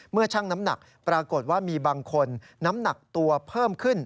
ชั่งน้ำหนักปรากฏว่ามีบางคนน้ำหนักตัวเพิ่มขึ้น